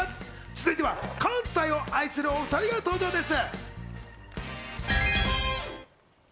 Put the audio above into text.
続いては関西を愛するお２人が登場です。